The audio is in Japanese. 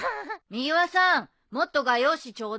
みぎわさんもっと画用紙ちょうだい。